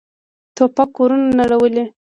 توپک کورونه نړولي.